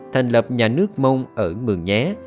thành lập nhà nước mông ở mường nhé